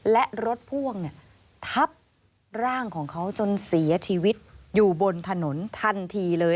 และรถพ่วงทับร่างของเขาจนเสียชีวิตอยู่บนถนนทันทีเลย